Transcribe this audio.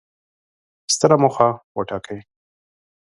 ستره موخه وټاکئ!